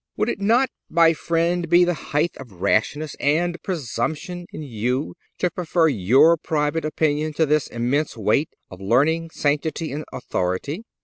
Would it not, my friend, be the height of rashness and presumption in you to prefer your private opinion to this immense weight of learning, sanctity and authority?